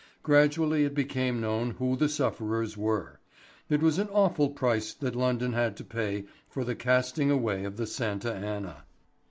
Gradually it became known who the sufferers were. It was an awful price that London had to pay for the casting away of the Santa Anna.